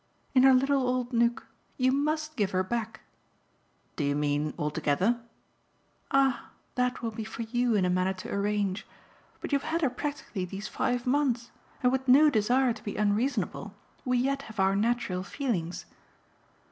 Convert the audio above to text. "In her little old nook. You must give her back." "Do you mean altogether?" "Ah that will be for you in a manner to arrange. But you've had her practically these five months, and with no desire to be unreasonable we yet have our natural feelings."